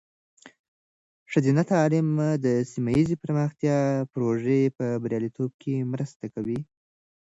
ښځینه تعلیم د سیمه ایزې پرمختیا پروژو په بریالیتوب کې مرسته کوي.